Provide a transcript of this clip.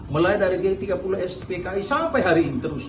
mulai dari g tiga puluh spki sampai hari ini terus